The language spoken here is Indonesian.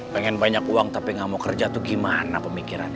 pengen banyak uang tapi gak mau kerja tuh gimana pemikiran